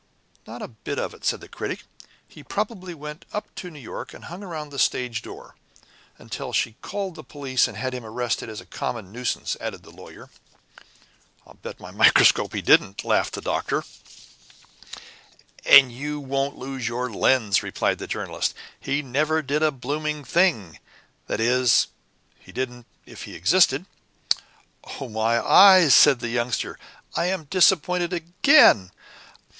"Not a bit of it," said the Critic. "He probably went up to New York, and hung round the stage door." "Until she called in the police, and had him arrested as a common nuisance," added the Lawyer. "I'll bet my microscope he didn't," laughed the Doctor. "And you won't lose your lens," replied the Journalist. "He never did a blooming thing that is, he didn't if he existed." "Oh, my eyes," said the Youngster. "I am disappointed again.